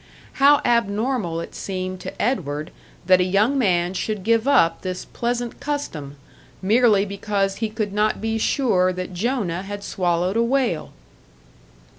How abnormal it seemed to Edward that a young man should give up this pleasant custom, merely because he could not be sure that Jonah had swallowed a whale!